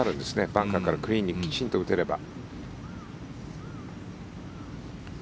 バンカーからクリーンにきちんと打てれば。